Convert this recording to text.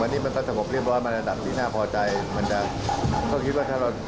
ถ้ามันจะหลบเรียบร้อยไม่ต้องไปสรุปกระเทศ